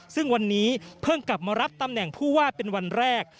ซึ่งวันนี้เพิ่งกลับมารับตำแหน่งผู้ว่าเป็นวันแรก